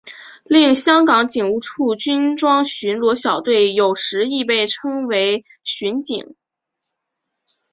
另香港警务处军装巡逻小队有时亦被称为巡警。